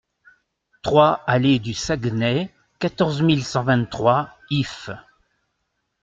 trois allée du Saguenay, quatorze mille cent vingt-trois Ifs